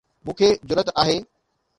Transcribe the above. مون کي جرئت آهي.